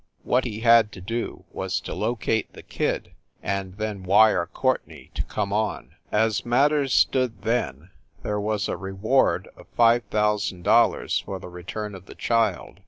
What he had to do was to locate the kid, and then wire Courtenay to come on. As matters stood then there was a reward of five thousand dollars for the return of the child.